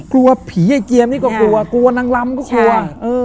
กลัวผีไอ้เจียมนี่ก็กลัวกลัวนางลำก็กลัว